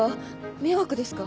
迷惑ですか？